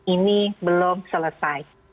ini belum selesai